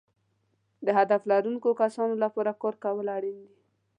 د هدف لرونکو کسانو لپاره کار کول اړین دي.